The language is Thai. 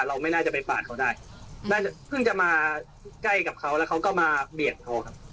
ไม่น่าจะไปปาดเขาได้น่าจะเพิ่งจะมาใกล้กับเขาแล้วเขาก็มาเบียดเขาครับ